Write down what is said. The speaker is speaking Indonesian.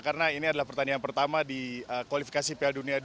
karena ini adalah pertandingan pertama di kualifikasi piala dunia dua ribu dua puluh